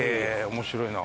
面白いな。